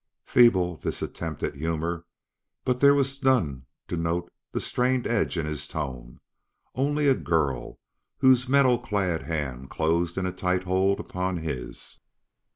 Feeble, this attempt at humor; but there was none to note the strained edge in his tone, only a girl, whose metal clad hand closed in a tight hold upon his.